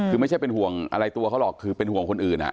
คือไม่ใช่เป็นห่วงอะไรตัวเขาหรอกคือเป็นห่วงคนอื่น